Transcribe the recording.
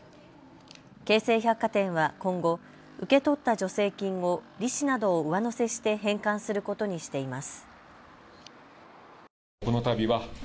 京成百貨店は今後、受け取った助成金を利子などを上乗せして返還することにしています。